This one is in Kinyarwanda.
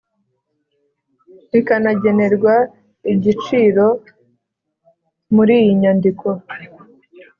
bikanagenerwa igiciro muri iyi nyandiko